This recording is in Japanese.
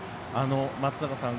松坂さん